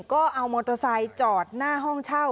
ก็เอามอเตอร์ไซค์จอดหน้าห้องเช่า